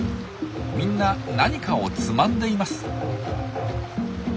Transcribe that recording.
みんな何かをつまんでいます。